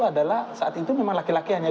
adalah hasil berikutnya